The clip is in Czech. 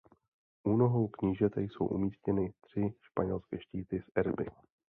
U nohou knížete jsou umístěny tři španělské štíty s erby.